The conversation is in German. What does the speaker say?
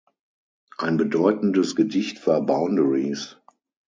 Ein bedeutendes Gedicht war „Boundaries“.